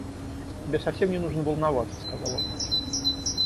Тебе совсем не нужно волноваться, — сказала мать.